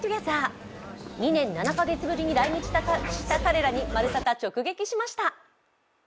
２年７カ月ぶりに来日した彼らに「まるサタ」が直撃しました。